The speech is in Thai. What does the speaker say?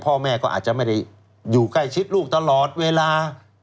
พ่อแม่ก็อาจจะไม่ได้อยู่ใกล้ชิดลูกตลอดเวลา